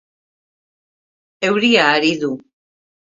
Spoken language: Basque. Euria ari du.